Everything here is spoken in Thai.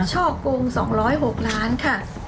ช่อกง๒๐๖ล้านค่ะ